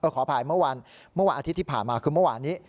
ขออภัยเมื่อวานอาทิตย์ที่ผ่านมาคือเมื่อวานนี้